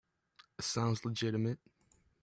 Sounds legitimate.